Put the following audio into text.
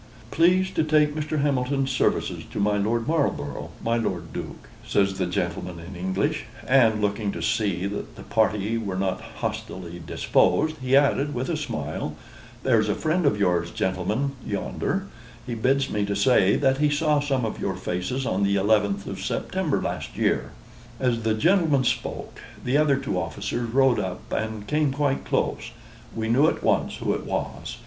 "Please to take Mr. Hamilton's services to my Lord Marlborough my Lord Duke," says the gentleman in English: and, looking to see that the party were not hostilely disposed, he added, with a smile, "There's a friend of yours, gentlemen, yonder; he bids me to say that he saw some of your faces on the 11th of September last year." As the gentleman spoke, the other two officers rode up, and came quite close. We knew at once who it was.